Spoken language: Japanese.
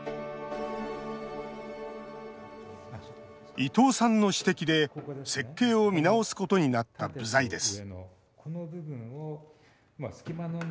伊藤さんの指摘で、設計を見直すことになった部材です